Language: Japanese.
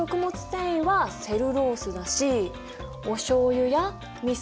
繊維はセルロースだしおしょうゆやみそお酢。